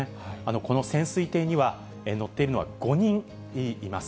この潜水艇には、乗っているのは５人います。